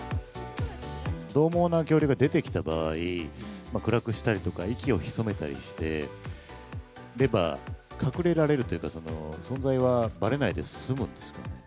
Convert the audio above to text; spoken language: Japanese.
どう猛な恐竜が出てきた場合、暗くしたりとか、息を潜めたりしてれば、隠れられるっていうか、存在はばれないで済むんですかね。